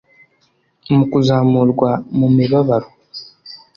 Mu kuzamurwa mu mibabaro;